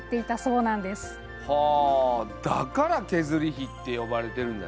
はあだからけづりひって呼ばれてるんだね。